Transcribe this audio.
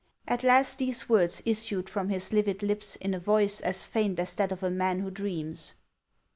At last these words issued from his livid lips in a voice as faint as that HANS OF ICELAND. 415 of a man who dreams.